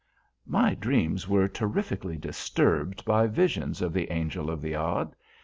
My dreams were terrifically disturbed by visions of the Angel of the Odd.